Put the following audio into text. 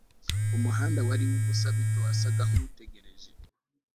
Umuhanda wari wubusa bito wasaga nkutegereje